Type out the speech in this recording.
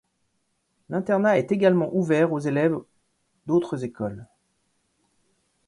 L'internat est également ouvert aux élèves d'autres écoles.